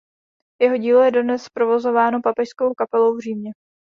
Jeho dílo je dodnes provozováno papežskou kapelou v Římě.